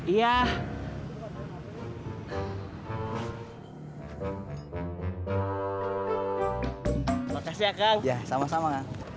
iya makasih ya kang sama sama